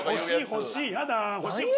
欲しい欲しい。